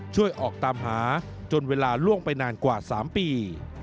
ช่วยออกตามหาจนเวลาล่วงไปนานกว่า๓ปี